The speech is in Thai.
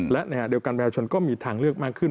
และเดียวกันแม้ชนก็มีทางเลือกมากขึ้น